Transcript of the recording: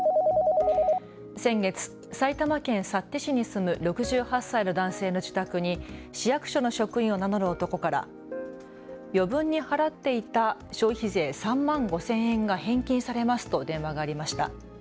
先月、埼玉県幸手市に住む６８歳の男性の自宅に市役所の職員を名乗る男から余分に払っていた消費税３万５０００円が返金されますと電話がありました。